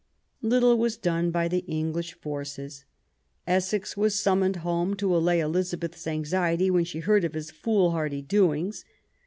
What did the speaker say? Little was done by the English forces. Essex was summoned home to allay Eliza beth's anxiety when she heard of his foolhardy doings.